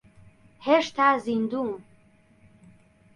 هێشتا زیندووم.